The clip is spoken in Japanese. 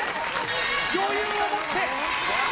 余裕を持って。